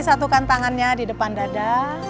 satukan tangannya di depan dada